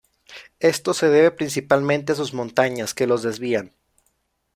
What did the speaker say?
Esto se debe principalmente a sus montañas, que los desvían.